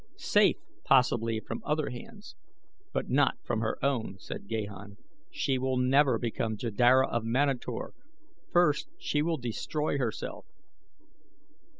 "Safe, possibly, from other hands, but not from her own," said Gahan. "She will never become Jeddara of Manator first will she destroy herself."